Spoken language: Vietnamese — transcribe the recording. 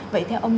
vậy theo ông